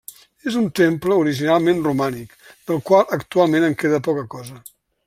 És un temple originalment romànic, del qual actualment en queda poca cosa.